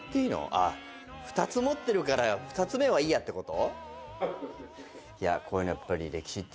あっ、２つ持ってるから、２つ目はいいやってこと？